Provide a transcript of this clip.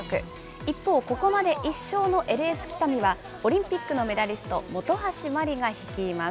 一方、ここまで１勝のＬＳ北見は、オリンピックのメダリスト、本橋麻里が率います。